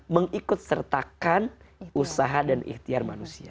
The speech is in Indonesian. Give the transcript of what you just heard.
mengikut sertakan usaha dan ikhtiar manusia